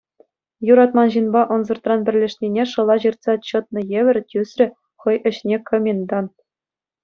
Юратман ҫынпа ӑнсӑртран пӗрлешнине шӑла ҫыртса чӑтнӑ евӗр тӳсрӗ хӑй ӗҫне комендант.